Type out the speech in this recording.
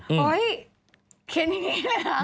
โอ๊ยเขียนอย่างนี้เลยหรือ